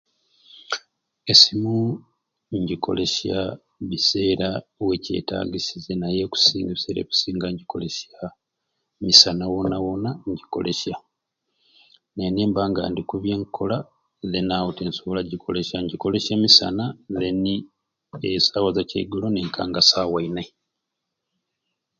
Esimu ogyikolesya biseera wekyetagisirye naye ebiseera ebikusinga ogyikolesya misana wona wona ogyikolesya naye nimba nga ndiku byenkukola then awo tinsobola gyikolesya ngyikoleseya emisana then esaawa za kyaigolo ninkanga saawa inai